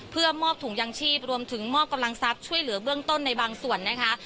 เพื่อมอบถุงยางชีพรวมถึงมอบกำลังทรัพย์ช่วยเหลือเบื้องต้นในบางส่วนนะคะ